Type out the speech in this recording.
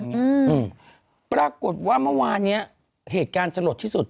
อืมปรากฏว่าเมื่อวานเนี้ยเหตุการณ์สลดที่สุด